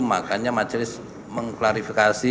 makanya majelis mengklarifikasi